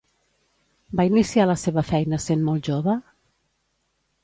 Va iniciar la seva feina sent molt jove?